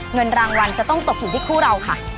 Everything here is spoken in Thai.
เงินรางวัลจะต้องตกอยู่ที่คู่เราค่ะ